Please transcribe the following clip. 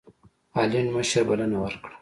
هالنډ مشر بلنه ورکړه.